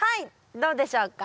どうでしょうか？